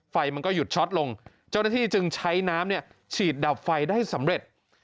ไฟมันก็หยุดช็อตลงเจ้าหน้าที่จึงใช้น้ำเนี่ยฉีดดับไฟได้สำเร็จ